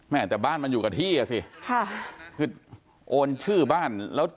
แม่แต่บ้านมันอยู่กับที่เหอศิษย์อ่ะสิคือโอนชื่อบ้านแล้ว